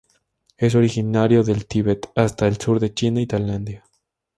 Es originario del Tibet hasta el sur de China y Tailandia.